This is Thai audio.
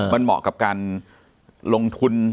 มันเหมาะกับการลงทุน